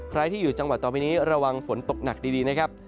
ใครที่อยู่จังหวัดต่อไปนี้ระวังฝนตกหนักดีนะครับ